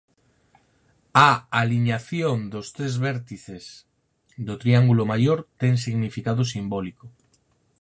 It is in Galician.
A aliñación dos tres vértices do triángulo maior ten significado simbólico.